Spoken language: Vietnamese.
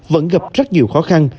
vẫn gặp rất nhiều khó khăn